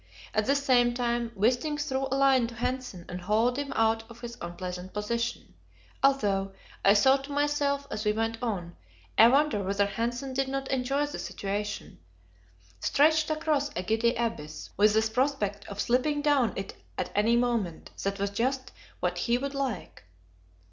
At the same time, Wisting threw a line to Hanssen and hauled him out of his unpleasant position although, I thought to myself, as we went on: I wonder whether Hanssen did not enjoy the situation? Stretched across a giddy abyss, with the prospect of slipping down it at any moment that was just what he would like.